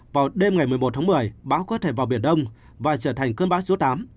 vào đêm ngày một mươi một tháng một mươi bão có thể vào biển đông và trở thành cơn bão số tám